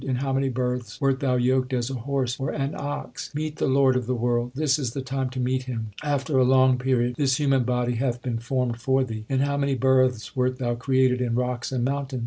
In how many births wert thou yoked as a horse or an ox ! K2 132 THE SIKH RELIGION Meet the Lord of the world this is the time to meet Him. After a long period this human body hath been formed for thee. In how many births wert thou created in rocks and moun tains